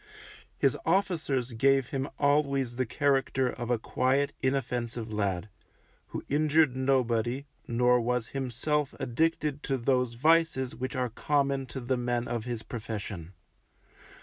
His officers gave him always the character of a quiet, inoffensive lad, who injured nobody, nor was himself addicted to those vices which are common to the men of his profession.